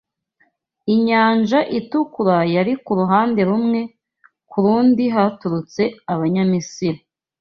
Inyanja Itukura yari ku ruhande rumwe ku rundi haturutse Abanyamisiri